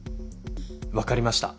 わかりました。